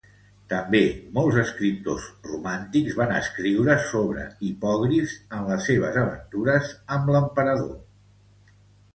També molts escriptors romàntics van escriure sobre hipogrifs en les seves aventures amb l'emperador.